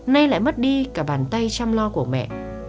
nay lại mất đi cả bàn tay chăm lo của mẹ